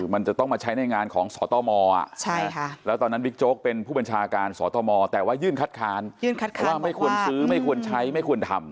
มันจะต้องมาใช้ในงานของสตมแล้วตอนนั้นบิ๊กโจ๊กเป็นผู้บัญชาการสตมแต่ว่ายื่นคัดค้านว่าไม่ควรซื้อไม่ควรใช้ไม่ควรทำ